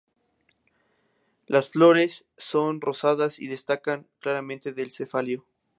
Las flores son rosadas y se destacan claramente del cefalio.